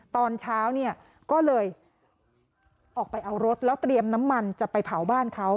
ตอนเช้าเนี่ยก็เลยออกไปเอารถแล้วเตรียมน้ำมันจะไปเผาบ้านเขา